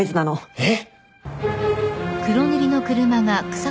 えっ！？